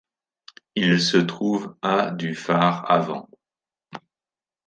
Il se trouve à du phare avant.